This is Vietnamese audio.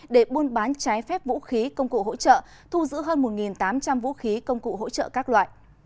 để buôn bán trái phép vũ khí công cụ hỗ trợ thu giữ hơn một tám trăm linh vũ khí công cụ hỗ trợ các loại